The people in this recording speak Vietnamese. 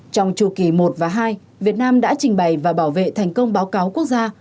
trong chu kỳ một và hai việt nam đã trình bày và bảo vệ thành công báo cáo quốc gia